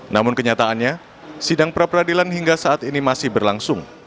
namun kenyataannya sidang pra peradilan hingga saat ini masih berlangsung